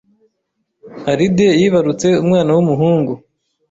Alide yibarutse umwana w’umuhungu